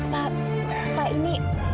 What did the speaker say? pak pak ini